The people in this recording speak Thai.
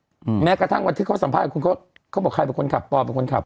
อืมแม้กระทั่งวันที่เขาสัมภาษณ์คุณเขาเขาบอกใครเป็นคนขับปอเป็นคนขับ